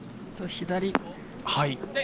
左。